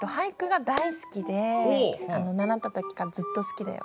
習った時からずっと好きだよ。